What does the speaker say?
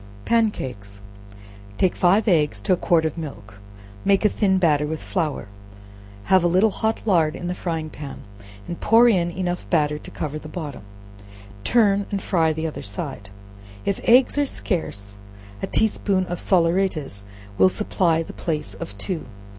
Pan Cakes. Take five eggs to a quart of milk, make a thin batter with flour, have a little hot lard in the frying pan, and pour in enough batter to cover the bottom; turn and fry the other side; if eggs are scarce, a tea spoonful of salaeratus will supply the place of two.